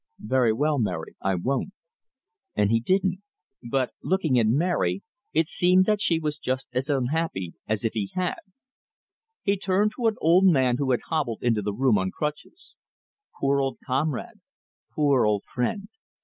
"Very well, Mary; I won't." And he didn't. But, looking at Mary, it seemed that she was just as unhappy as if he had. He turned to an old man who had hobbled into the room on crutches. "Poor old comrade! Poor old friend!"